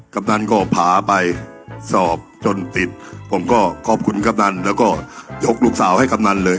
กำนันก็พาไปสอบจนติดผมก็ขอบคุณกำนันแล้วก็ยกลูกสาวให้กำนันเลย